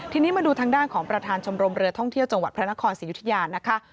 ทีนี้มาดูทางด้านของประธานชมรมเรือท่องเที่ยวจังหวัดพระนครศรียุธยานะคะ